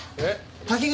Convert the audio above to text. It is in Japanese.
滝口。